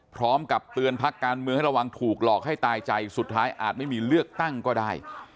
พร้อมกับเตือนพักการเมืองให้ระวังถูกหลอกให้ตายใจสุดท้ายอาจไม่มีเลือกตั้งก็ได้